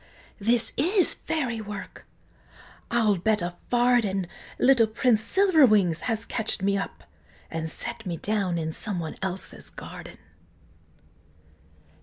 this is Fairy work! I'll bet a farden, Little Prince Silverwings has ketch'd me up, And set me down in some one else's garden!"